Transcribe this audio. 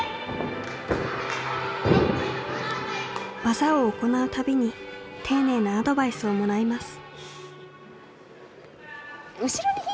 技を行う度に丁寧なアドバイスをもらいます。